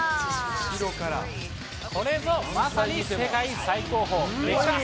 これぞまさに世界最高峰。